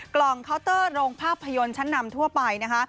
เคาน์เตอร์โรงภาพยนตร์ชั้นนำทั่วไป